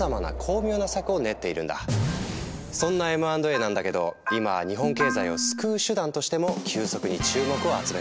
そんなＭ＆Ａなんだけど今日本経済を救う手段としても急速に注目を集めている。